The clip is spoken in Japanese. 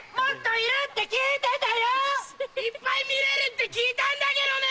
いっぱい見れるって聞いたんだけどね！